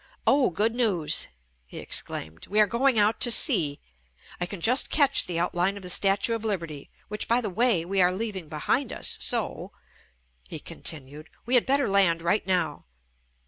"Oh, good news," he ex claimed, "we are going out to sea. I can just catch the outline of the Statue of Liberty, which, by the way, we are leaving behind us, so," he continued, "we had better land right now."